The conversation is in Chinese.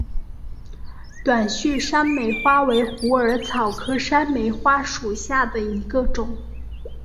短序山梅花为虎耳草科山梅花属下的一个种。